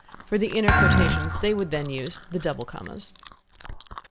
For the inner quotation they would then use the double commas.